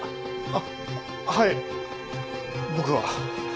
あっはい僕は。